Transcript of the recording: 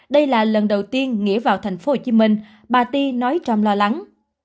đây là lần đầu tiên nghĩa vào thành phố hồ chí minh bà ti nói trong lo lắng